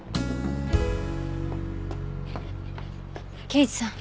刑事さん。